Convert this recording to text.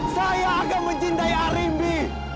saya akan mencintai harimbi